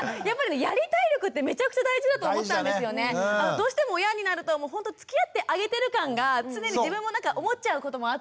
どうしても親になるともうほんとつきあってあげてる感が常に自分も思っちゃうこともあって。